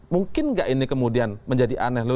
mungkin nggak ini kemudian menjadi aneh